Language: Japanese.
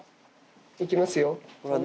行きますよ。